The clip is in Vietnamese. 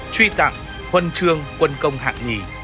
truy tặng huân trường quân công hạng nhì